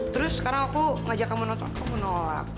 terus sekarang aku ngajak kamu nonton kamu nolak